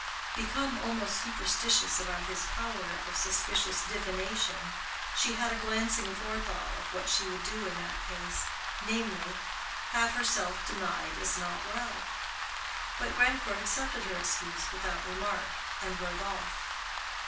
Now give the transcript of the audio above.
Become almost superstitious about his power of suspicious divination, she had a glancing forethought of what she would do in that case—namely, have herself denied as not well. But Grandcourt accepted her excuse without remark, and rode off.